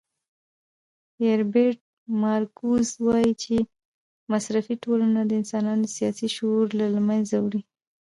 هیربرټ مارکوز وایي چې مصرفي ټولنه د انسانانو سیاسي شعور له منځه وړي.